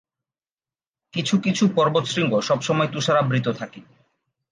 কিছু কিছু পর্বতশৃঙ্গ সবসময় তুষারাবৃত থাকে।